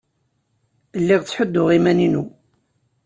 Lliɣ ttḥudduɣ iman-inu.